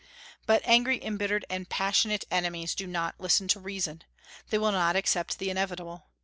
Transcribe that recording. But angry, embittered, and passionate enemies do not listen to reason. They will not accept the inevitable.